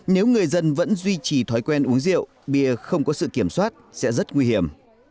nếu người dân vẫn duy trì thói quen uống rượu bia không có sự kiểm soát sẽ rất nguy hiểm